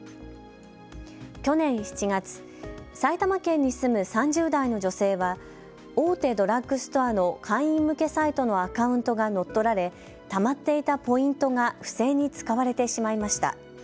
去年７月、埼玉県に住む３０代の女性は、大手ドラッグストアの会員向けサイトのアカウントが乗っ取られたまっていたポイントが不正に使われてしまいました。